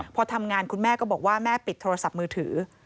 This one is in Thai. พอทำงานคุณแม่ก็บอกว่าแม่ปิดโทรศัพท์มือถือ